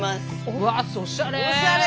うわおしゃれ。